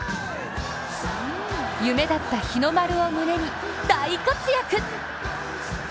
夢だった日の丸を胸に大活躍。